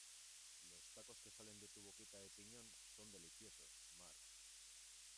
Los tacos que salen de tu boquita de piñón son deliciosos, Marc.